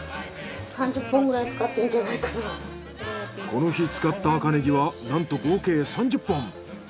この日使った赤ネギはなんと合計３０本。